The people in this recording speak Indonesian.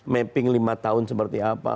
mapping lima tahun seperti apa